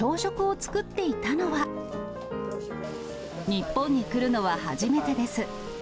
日本に来るのは初めてです。